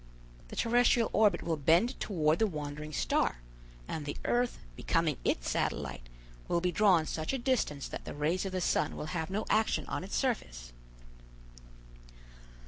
The terrestrial orbit will bend toward the wandering star, and the earth, becoming its satellite, will be drawn such a distance that the rays of the sun will have no action on its surface."